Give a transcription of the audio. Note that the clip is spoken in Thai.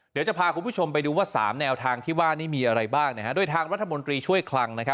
เดี๋ยวจะพาคุณผู้ชมไปดูว่า๓แนวทางที่ว่านี่มีอะไรบ้างโดยทางรัฐมนตรีช่วยคลัง